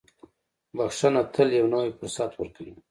• بښنه تل یو نوی فرصت ورکوي.